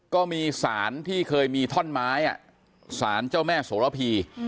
ก็มีสารที่เคยมีท่อนไม้สารเจ้าแม่โสระพี